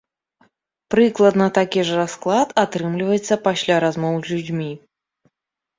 Прыкладна такі ж расклад атрымліваецца пасля размоў з людзьмі.